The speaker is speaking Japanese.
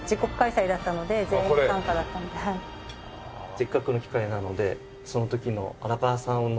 せっかくの機会なのでその時の荒川さんのお姿を。